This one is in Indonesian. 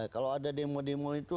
kalau ada demo demo itu